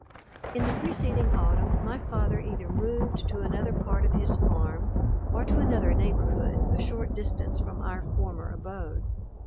In the preceding autumn my father either moved to another part of his farm, or to another neighborhood, a short distance from our former abode.